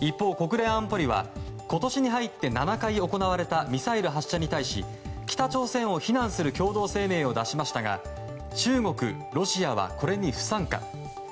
一方、国連安保理は今年に入って７回行われたミサイル発射に対し北朝鮮を非難する共同声明を出しましたが中国、ロシアはこれに不参加。